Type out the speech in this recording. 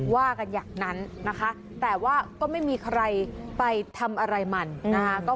ว่ากันอย่างนั้นนะคะแต่ว่าก็ไม่มีใครไปทำอะไรมันนะคะ